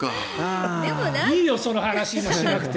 いいよ、その話今、しなくて！